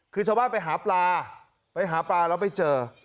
คือชาวบ้านไปหาปลาไปหาปลาแล้วไปเจอ